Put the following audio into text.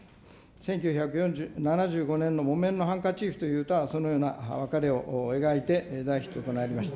１９７５年の木綿のハンカチーフという歌はそのような別れを描いて、大ヒットとなりました。